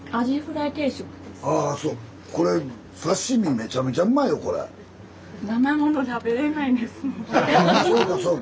そうかそうか。